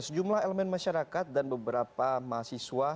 sejumlah elemen masyarakat dan beberapa mahasiswa